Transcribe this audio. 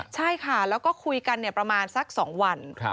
ใช่ค่ะแล้วก็คุยกันประมาณสัก๒วัน